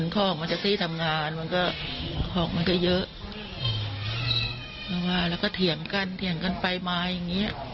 ก็กินกันมันก็มากินข้าวกินอะไรกัน